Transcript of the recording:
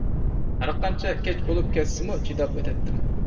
ھەر قانچە كەچ بولۇپ كەتسىمۇ چىداپ ئۆتەتتىم.